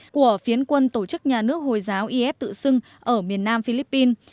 của phiến quân tổ chức nhà nước hồi giáo is tự xưng ở miền nam philippines